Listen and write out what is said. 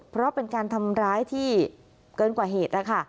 เพราะเป็นการทำร้ายที่เกินกว่าเหตุนะคะ